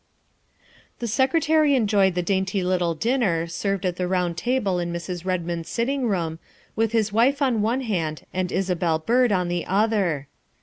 '' The Secretary enjoyed the dainty little dinner, served at the round table in Mrs. Redmond's sitting room, with his wife on one hand and Isabel Byrd on the other.